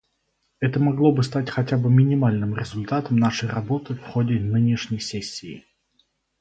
Это могло бы стать хотя бы минимальным результатом нашей работы в ходе нынешней сессии.